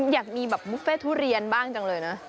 อยากมีแบบบุฟเฟ่ทุเรียนบ้างจังเลยนะ